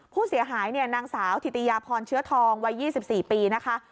ผู้เสียหายเนี่ยนางสาวถิติยาพรเชื้อทองวัย๒๔ปีนะคะ